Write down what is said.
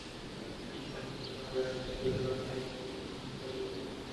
সত্যি বলতে, ঢাকায় আসা বিদেশিরা টাকা নেন ঘাম ঝরিয়ে, বাড়তি পরিশ্রম ঢেলে।